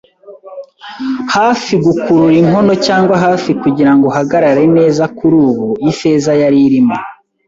hafi, gukurura inkono cyangwa hafi kugirango uhagarare neza kurubu. Ifeza yari irimo